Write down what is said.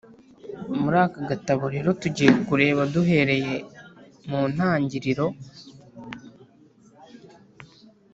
muri aka gatabo rero tugiye kureba duhereye mu ntangiriro